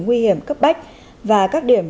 nguy hiểm cấp bách và các điểm